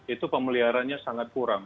itu pemeliharannya sangat kurang